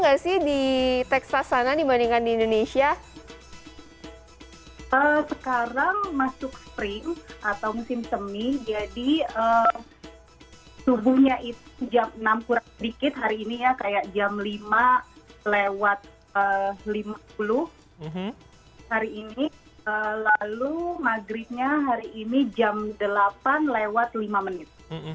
hari ini lalu maghribnya hari ini jam delapan lewat lima menit